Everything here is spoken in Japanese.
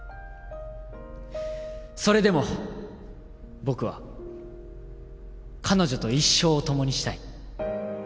それでも僕は彼女と一生を共にしたい。